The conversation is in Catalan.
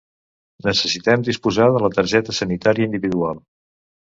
Necessitem disposar de la targeta sanitària individual.